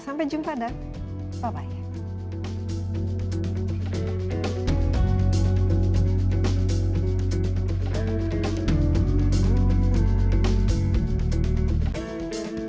sampai jumpa bye bye